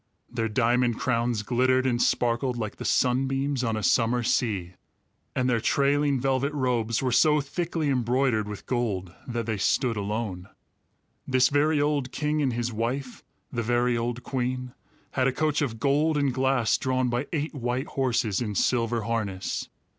Their diamond crowns glittered and sparkled like the sunbeams on a summer sea; and their trailing velvet robes were so thickly embroidered with gold that they stood alone. This very old king and his wife, the very old queen, had a coach of gold and glass drawn by eight white horses in silver harness.